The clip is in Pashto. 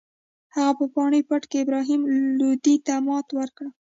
هغه په پاني پت کې ابراهیم لودي ته ماتې ورکړه.